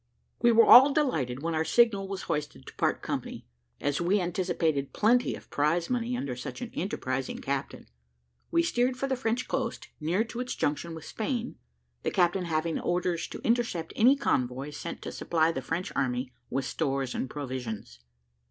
We were all delighted when our signal was hoisted to "part company," as we anticipated plenty of prize money under such an enterprising captain. We steered for the French coast, near to its junction with Spain, the captain having orders to intercept any convoys sent to supply the French army with stores and provisions.